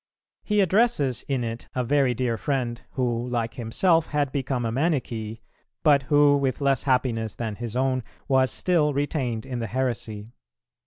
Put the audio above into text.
He addresses in it a very dear friend, who, like himself, had become a Manichee, but who, with less happiness than his own, was still retained in the heresy.